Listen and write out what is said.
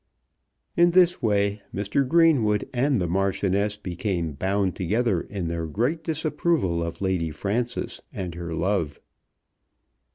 In this way Mr. Greenwood and the Marchioness became bound together in their great disapproval of Lady Frances and her love.